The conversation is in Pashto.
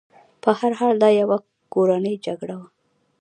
په هر حال دا یوه کورنۍ جګړه وه.